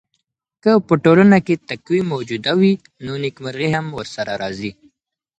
که په ټولنه کي تقوی موجوده وي نو نېکمرغي هم ورسره راځي.